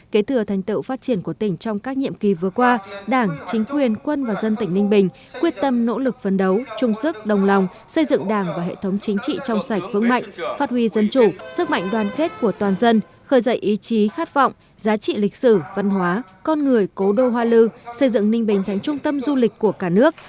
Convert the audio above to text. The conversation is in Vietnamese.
kể từ thành tựu phát triển của tỉnh trong các nhiệm kỳ vừa qua đảng chính quyền quân và dân tỉnh ninh bình quyết tâm nỗ lực phấn đấu trung sức đồng lòng xây dựng đảng và hệ thống chính trị trong sạch vững mạnh phát huy dân chủ sức mạnh đoàn kết của toàn dân khởi dạy ý chí khát vọng giá trị lịch sử văn hóa con người cố đô hoa lư xây dựng ninh bình giánh trung tâm du lịch của cả nước